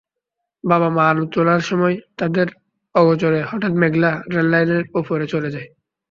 বাবা-মা আলু তোলার সময় তাঁদের অগোচরে হঠাৎ মেঘলা রেললাইনের ওপরে চলে যায়।